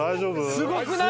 すごくない？